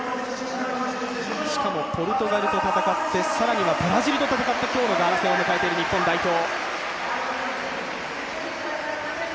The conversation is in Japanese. しかもポルトガルと戦って、更にブラジルと戦って今日のガーナ戦を迎えている日本代表。